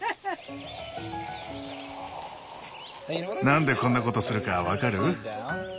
何でこんなことするか分かる？